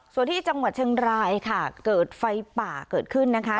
ส่วนที่จังหวัดเชียงรายค่ะเกิดไฟป่าเกิดขึ้นนะคะ